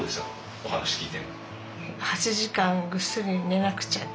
お話聞いて。